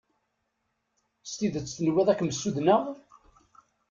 S tidet tenwiḍ ad kem-ssudneɣ?